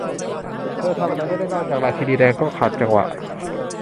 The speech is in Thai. เธอทำอะไรไม่ได้นอกจาก 'ราชินีแดงก็ขัดจังหวะ